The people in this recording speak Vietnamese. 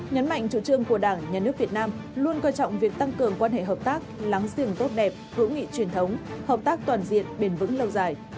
nhấn mạnh chủ trương của đảng nhà nước việt nam luôn coi trọng việc tăng cường quan hệ hợp tác láng giềng tốt đẹp hữu nghị truyền thống hợp tác toàn diện bền vững lâu dài